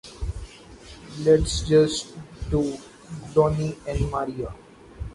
Let's just do "Donny and Marie".